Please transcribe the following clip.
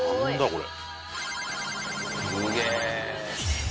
これ。